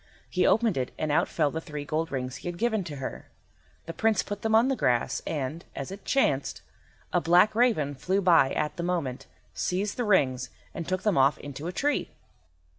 He opened it and out fell the three gold rings he had given to her. The Prince put them on the grass, and, as it chanced, a black raven flew by at the moment, seized the rings, and took them off into a tree.